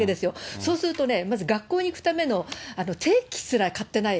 そうするとね、まず学校に行くための定期すら買ってない